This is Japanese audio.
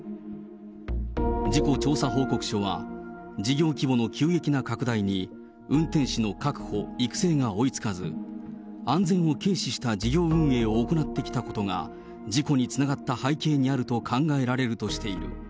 事故調査報告書は、事業規模の急激な拡大に、運転手の確保、育成が追いつかず、安全を軽視した事業運営を行ってきたことが、事故につながった背景にあると考えられるとしている。